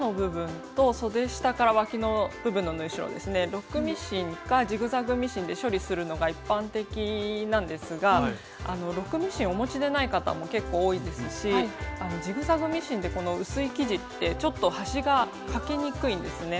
ロックミシンかジグザグミシンで処理するのが一般的なんですがロックミシンお持ちでない方も結構多いですしジグザグミシンでこの薄い生地ってちょっと端がかけにくいんですね。